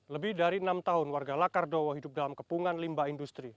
lebih dari enam tahun warga lakardowo hidup dalam kepungan limbah industri